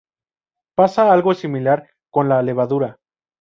Pasa algo similar con la levadura.